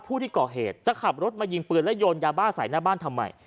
ผู้ที่ก่อเหตุจะขับรถมายิงปืนและโยนยาบ้าใส่หน้าบ้านทำไม